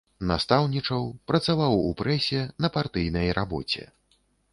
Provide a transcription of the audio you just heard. Настаўнічаў, працаваў у прэсе, на партыйнай рабоце.